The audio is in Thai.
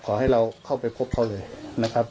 ขอให้เราเข้าไปพบเขาเลยนะครับ